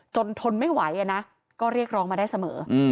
ทนไม่ไหวนะก็เรียกร้องมาได้เสมอ